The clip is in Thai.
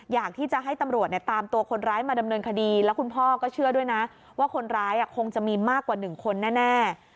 อยากที่จะให้ตำรวจตามตัวคนร้ายมาดำเนินคดีแล้วคุณพ่อก็เชื่อด้วยนะว่าคนร้ายคงจะมีมากกว่า๑คนแน่